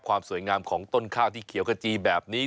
ความสวยงามของต้นข้าวที่เขียวขจีแบบนี้